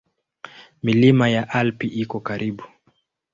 Milima ya Alpi iko karibu.